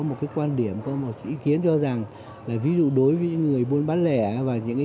một cái quan điểm có một ý kiến cho rằng là ví dụ đối với người buôn bán lẻ và những cái